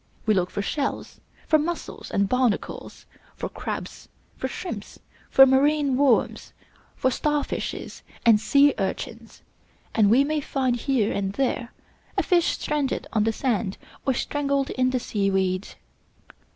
We look for Shells, for Mussels and Barnacles, for Crabs, for Shrimps, for Marine Worms, for Star Fishes and Sea Urchins, and we may find here and there a fish stranded on the sand or strangled in the sea weed.